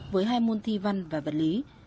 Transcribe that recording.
với hai môn thi văn và vật lý